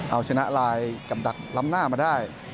เอาชนะลายกับดักล้ำหน้ามาได้